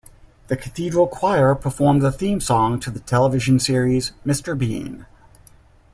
The Cathedral Choir performed the theme song to the television series "Mr. Bean".